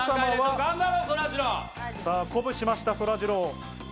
鼓舞しました、そらジロー。